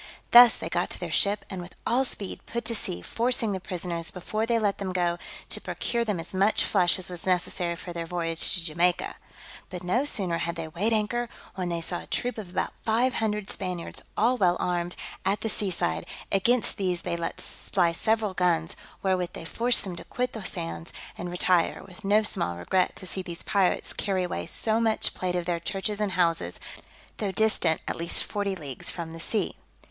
Thus they got to their ship, and with all speed put to sea, forcing the prisoners, before they let them go, to procure them as much flesh as was necessary for their voyage to Jamaica. But no sooner had they weighed anchor, when they saw a troop of about five hundred Spaniards, all well armed, at the sea side: against these they let fly several guns, wherewith they forced them to quit the sands, and retire, with no small regret to see these pirates carry away so much plate of their churches and houses, though distant at least forty leagues from the sea.